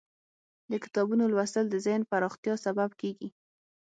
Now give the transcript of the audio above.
د کتابونو لوستل د ذهن پراختیا سبب کیږي.